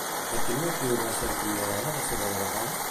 Per quin motiu va ser acomiadada la seva delegada?